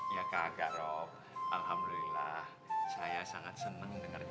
ya kagak rob alhamdulillah saya sangat senang dengarnya